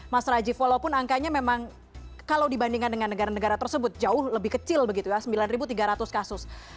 mas rajif walaupun angkanya memang kalau dibandingkan dengan negara negara tersebut jauh lebih kecil begitu ya sembilan tiga ratus kasus